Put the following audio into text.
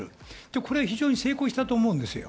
これは非常に成功したと思うんですよ。